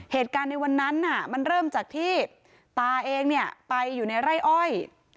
เหตุการณ์ในวันนั้นมันเริ่มจากที่ตาเองเนี่ยไปอยู่ในไร่อ้อย